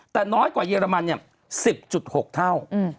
แต่น้อยกว่าเยอรมัน๑๐๖เท่า